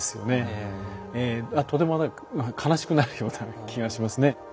とても悲しくなるような気がしますね。